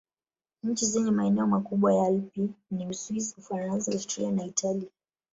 Nchi zenye maeneo makubwa ya Alpi ni Uswisi, Ufaransa, Austria na Italia.